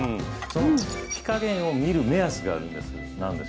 火加減を見る目安があるんです